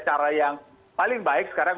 cara yang paling baik sekarang